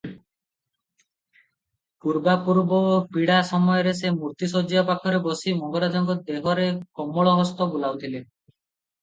ପୂର୍ବାପୂର୍ବ ପୀଡ଼ା ସମୟରେ ସେ ମୂର୍ତ୍ତି ଶଯ୍ୟା ପାଖରେ ବସି ମଙ୍ଗରାଜଙ୍କ ଦେହରେ କୋମଳ ହସ୍ତ ବୁଲାଉଥିଲେ ।